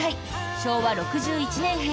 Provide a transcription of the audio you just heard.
昭和６１年編。